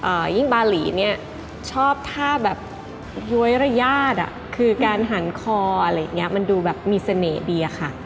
ยิ่งบาหลีเนี่ยชอบท่าแบบย้วยระญาติอ่ะคือการหันคออะไรอย่างเงี้ยมันดูแบบมีเสน่ห์ดีอะค่ะ